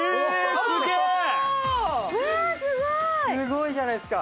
すごいじゃないですか。